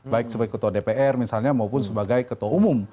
baik sebagai ketua dpr misalnya maupun sebagai ketua umum